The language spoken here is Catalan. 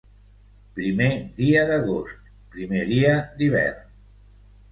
Primer dia d'agost, primer dia d'hivern.